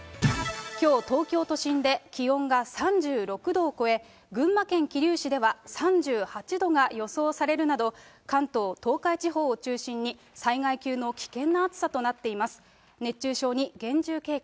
きょう、東京都心で気温が３６度を超え、群馬県桐生市では３８度が予想されるなど、関東、東海地方を中心に災害級の危険な暑さとなっています。